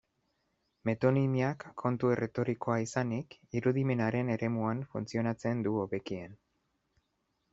Metonimiak, kontu erretorikoa izanik, irudimenaren eremuan funtzionatzen du hobekien.